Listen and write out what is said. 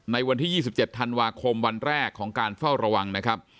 ในวันที่๒๗ธันวาคมวันแรกของการเฝ้าระวังนะครับ